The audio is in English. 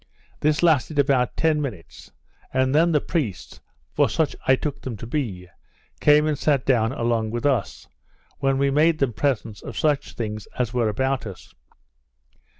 This lasted about ten minutes; and then the priests, for such I took them to be, came and sat down along with us, when we made them presents of such things as were about us.